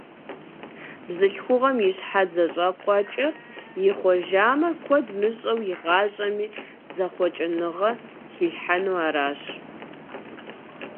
Бзылъхугъэм и щхьэц зэщӀэкъуэкӀэр ихъуэжамэ, куэд мыщӀэу и гъащӀэми зэхъуэкӀыныгъэ хилъхьэну аращ.